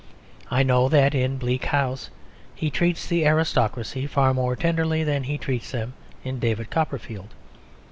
I know that in Bleak House he treats the aristocracy far more tenderly than he treats them in David Copperfield.